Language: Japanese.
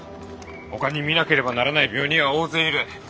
ほかに診なければならない病人は大勢いる。